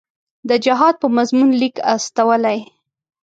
د جهاد په مضمون لیک استولی.